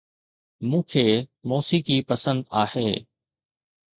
مون کي موسيقي پسند آهي